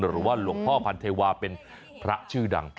หรือว่าหลวงพ่อพันเทวาเป็นพระชื่อดัง